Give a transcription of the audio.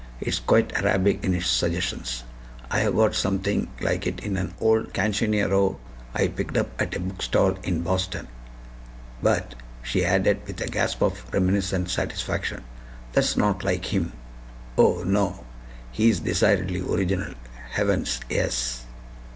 It's quite Arabic in its suggestions. I have got something like it in an old CANCIONERO I picked up at a bookstall in Boston. But," she added, with a gasp of reminiscent satisfaction, "that's not like HIM! Oh, no! HE is decidedly original. Heavens! yes."